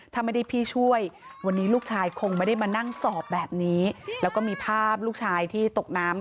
ถ้าไม่ได้พี่ช่วยวันนี้ลูกชายคงไม่ได้มานั่งสอบแบบนี้แล้วก็มีภาพลูกชายที่ตกน้ำ